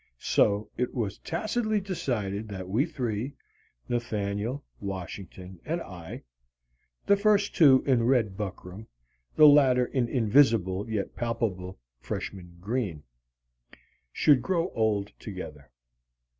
So it was tacitly decided that we three Nathaniel, Washington, and I (the first two in red buckram, the latter in invisible yet palpable Freshman green) should grow old together.